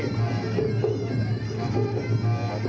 เทเข้าต่อมา